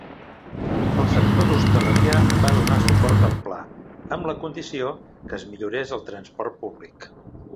El sector d'hostaleria va donar suport al pla, amb la condició que es millorés el transport públic.